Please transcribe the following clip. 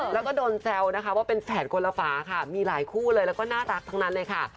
แล้วก็โดนแซวนะคะว่าเป็นแฝดคนละฝาค่ะมีหลายคู่เลยแล้วก็น่ารักทั้งนั้นเลยค่ะ